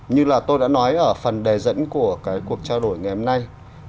như là tôi đã nói ở phần đề dẫn của cuộc trao đổi ngày hôm nay